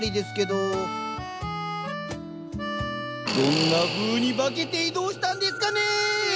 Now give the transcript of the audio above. どんなふうに化けて移動したんですかね？